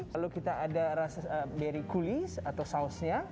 lalu kita ada beri kulis atau sausnya